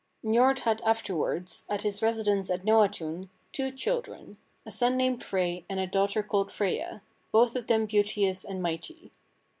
25. "Njord had afterwards, at his residence at Noatun, two children, a son named Frey, and a daughter called Freyja, both of them beauteous and mighty.